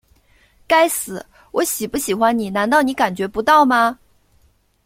该死，我喜不喜欢你难道你感觉不到吗?